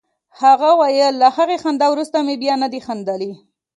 هغه ویل له هغې خندا وروسته مې بیا نه دي خندلي